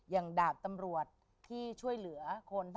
ดาบตำรวจที่ช่วยเหลือคน